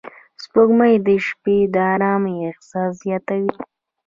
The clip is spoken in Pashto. سپوږمۍ د شپې د آرامۍ احساس زیاتوي